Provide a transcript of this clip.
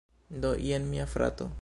Do, jen mia frato